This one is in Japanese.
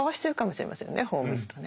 ホームズとね。